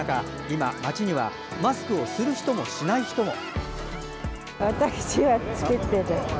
今、街にはマスクをする人もしない人も。